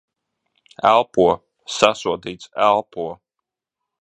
Elpo. Sasodīts. Elpo!